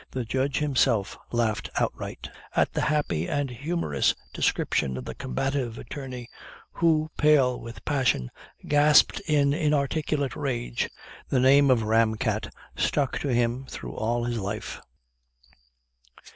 The judge himself laughed outright at the happy and humorous description of the combative attorney, who, pale with passion, gasped in inarticulate rage. The name of ram cat struck to him through all his life."